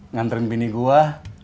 ngantrin bini gua